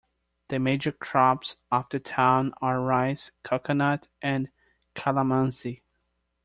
The major crops of the town are rice, coconut and calamansi.